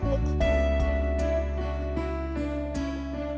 paor sms impiannya fatalnya segurus